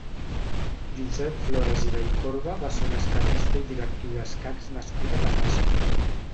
Josep Flores i Vallcorba va ser un escaquista i directiu d'escacs nascut a Terrassa.